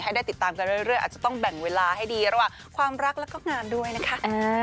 ให้ได้ติดตามกันเรื่อยอาจจะต้องแบ่งเวลาให้ดีระหว่างความรักแล้วก็งานด้วยนะคะ